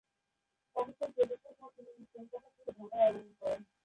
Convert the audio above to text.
পাকিস্তান প্রতিষ্ঠার পরে তিনি কলকাতা ছেড়ে ঢাকায় আগমন করেন।